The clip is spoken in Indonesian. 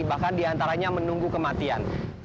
bahkan diantaranya menunggu kematian